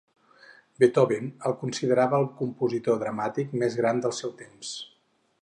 Beethoven el considerava el compositor dramàtic més gran del seu temps.